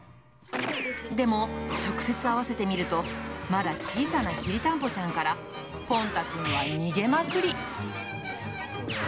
でも、直接会わせてみると、まだ小さなきりたんぽちゃんからぽん太くんは逃げまくり。